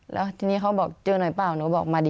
แล้วทีนี้เขาบอกเจอหน่อยเปล่าหนูบอกมาดิ